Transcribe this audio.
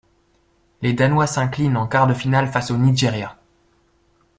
Les Danois s'inclinent en quart de finale face au Nigeria.